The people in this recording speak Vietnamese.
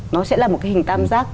nó sẽ là một cái hình tam giác